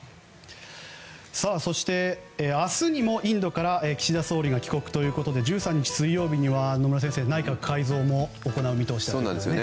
そして、明日にもインドから岸田総理が帰国ということで１３日水曜日には野村先生、内閣改造も行う見通しなんですよね。